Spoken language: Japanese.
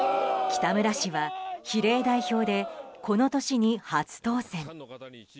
北村氏は比例代表でこの年に初当選。